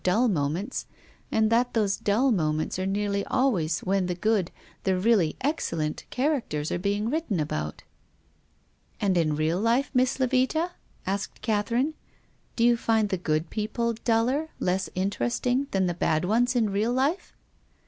133 dull moments, and that those dull moments are nearly always when the good, the really excellent, characters are being written about." " And in real life. Miss Levita ?" asked Cath erine. " Do you find the good people duller, less interesting, than the bad ones in real life